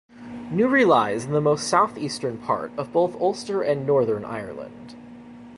Newry lies in the most south-eastern part of both Ulster and Northern Ireland.